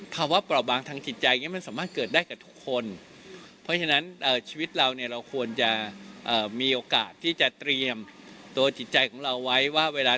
คำว่าเปราะบางทางจิตใจเนี่ยมันสามารถเกิดได้กับทุกคนเพราะฉะนั้นชีวิตเราเนี่ยเราควรจะมีโอกาสที่จะเตรียมตัวจิตใจของเราไว้ว่าเวลา